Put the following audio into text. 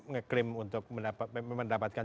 ngeklaim untuk mendapatkan